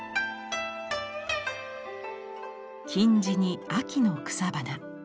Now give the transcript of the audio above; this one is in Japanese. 金地に秋の草花。